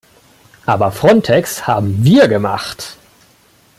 Aber Frontex haben wir gemacht.